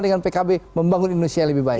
dengan pkb membangun indonesia yang lebih baik